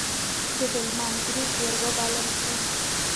د هلمند ګروپ وروبلل شو.